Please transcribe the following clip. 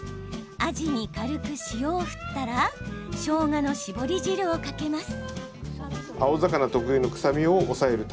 アジに軽く塩を振ったらしょうがの搾り汁をかけます。